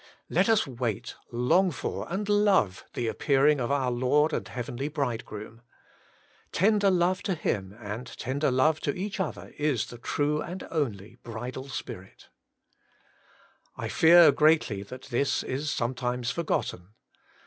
Let us wait, long for, and love the appearing of our Lord and Heavenly Bridegroom. Tender love to Him and tender love to each othez is the true and only bridal spirit WAITING ON GOD/ > 133 I fear greatly that this is sometimes forgotten.